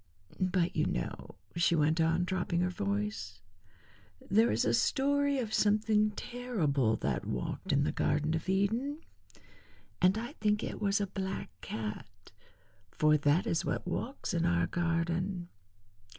But you know," she went on, dropping her voice, "there is a story of something terrible that walked in the garden of Eden, and I think it was a black cat, for that is what walks in our garden.